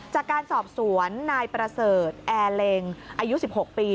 จากการสอบสวนนายประเสริฐแอร์เล็งอายุ๑๖ปี